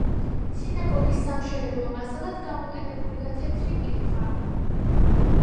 სინაგოგის სამშენებლო მასალად გამოყენებულია თეთრი კირქვა.